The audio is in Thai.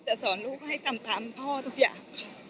ค่ะจะสอนลูกให้ตามพ่อทุกอย่าง